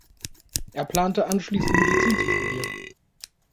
Er plante, anschließend Medizin zu studieren.